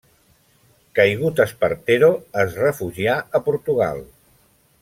Caigut Espartero, es refugià a Portugal.